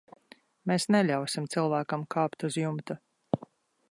Mēs neļausim cilvēkam kāpt uz jumta.